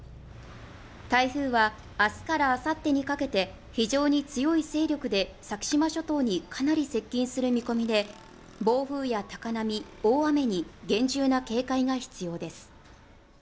台風は明日からあさってにかけて非常に強い勢力で先島諸島にかなり接近する見込みで、暴風や高波、大雨に厳重な警戒が必要です。